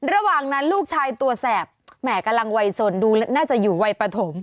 ระหว่างนั้นลูกชายตัวแสบแหม่กำลังวัยสนดูน่าจะอยู่วัยปฐม